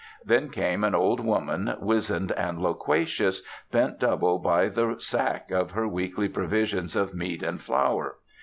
Then came an old woman, wizened and loquacious, bent double by the sack of her weekly provision of meat and flour.